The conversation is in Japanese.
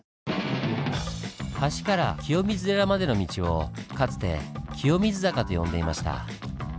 橋から清水寺までの道をかつて「清水坂」と呼んでいました。